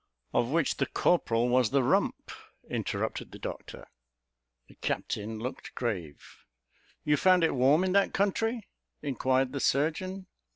"Of which the corporal was the rump," interrupted the doctor. The captain looked grave. "You found it warm in that country?" inquired the surgeon.